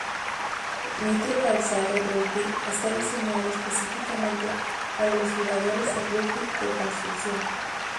Mitre calzado rugby está diseñado específicamente para los jugadores de rugby de construcción.